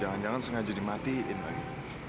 jangan jangan sengaja dimatiin lagi